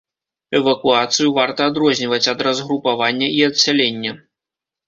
Эвакуацыю варта адрозніваць ад разгрупавання і адсялення.